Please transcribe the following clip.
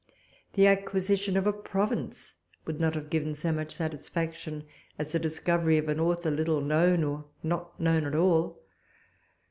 The acquisition of a province would not have given so much satisfaction as the discovery or an author little known, or not known at all.